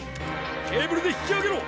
ケーブルで引きあげろ！